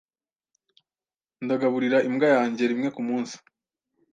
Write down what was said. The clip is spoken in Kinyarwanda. Ndagaburira imbwa yanjye rimwe kumunsi.